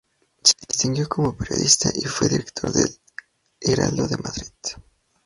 Se distinguió como periodista v fue director del "Heraldo de Madrid".